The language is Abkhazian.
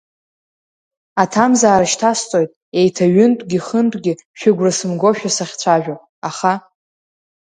Аҭамзаара шьҭасҵоит еиҭа ҩынтәгьы-хынтәгьы шәыгәра сымгоушәа сахьшәацәажәо, аха…